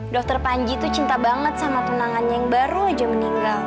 dokter panji tuh cinta banget sama tunangannya yang baru aja meninggal